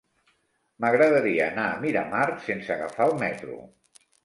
M'agradaria anar a Miramar sense agafar el metro.